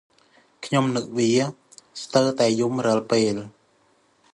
ខ្ញុំនឹកវា ស្ទើរតែយំរាល់ពេល។